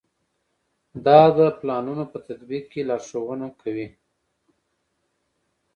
دا د پلانونو په تطبیق کې لارښوونې کوي.